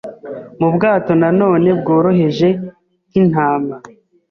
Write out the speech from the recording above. mu bwato na none bworoheje nk'intama. ”